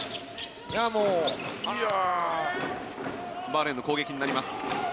バーレーンの攻撃になります。